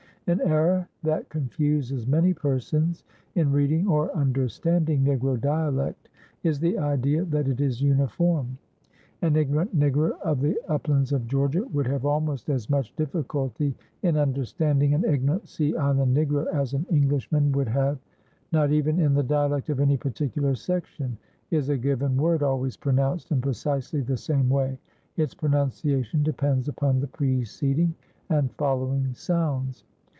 An error that confuses many persons in reading or understanding Negro dialect is the idea that it is uniform. An ignorant Negro of the uplands of Georgia would have almost as much difficulty in understanding an ignorant sea island Negro as an Englishman would have. Not even in the dialect of any particular section is a given word always pronounced in precisely the same way. Its pronunciation depends upon the preceding and following sounds.